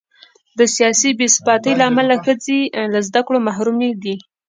له سیاسي بې ثباتۍ امله ښځې له زده کړو محرومې دي.